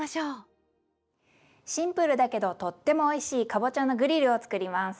シンプルだけどとってもおいしいかぼちゃのグリルを作ります。